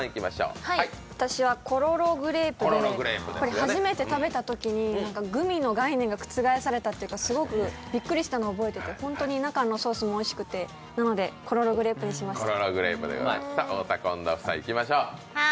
初めて食べたときにグミの概念が覆されたというかすごくびっくりしたのを覚えていて、本当に中のソースもおいしくて、なのでコロログレープにしました。